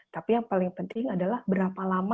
tapi yang paling penting adalah berapa lama